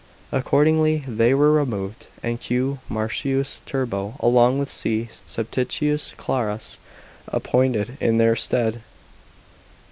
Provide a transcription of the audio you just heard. Accordingly they were removed, and Q. Marcius Turbo, along with C. Septicius Claras, appointed in their stead.